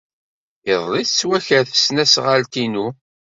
Iḍelli ay tettwaker tesnasɣalt-inu.